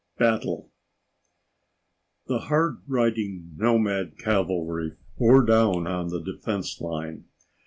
Battle The hard riding nomad cavalry bore down on the defense line.